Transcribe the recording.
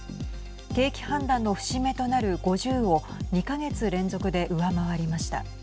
景気判断の節目となる５０を２か月連続で上回りました。